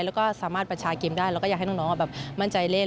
แล้วก็สามารถประชาเกมได้แล้วก็อยากให้น้องแบบมั่นใจเล่น